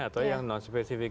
atau yang non spesifik